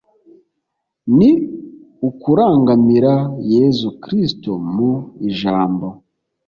ni ukurangamira yezu kristu mu ijambo